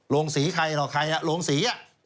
ลงสีใครต่อใครลงสี